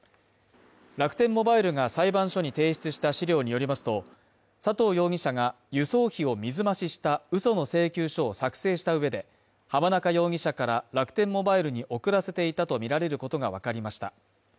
楽天モバイルが裁判所に提出した資料によりますと、佐藤容疑者が、輸送費を水増ししたうその請求書を作成した上で、浜中容疑者から楽天モバイルに送らせていたとみられることがわかりました。